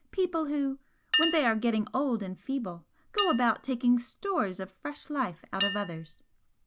people who, when they are getting old and feeble, go about taking stores of fresh life out of others."